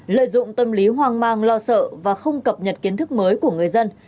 lợi dụng tâm lý hoang mang lo sợ và không cập nhật kiến thức mới của người dân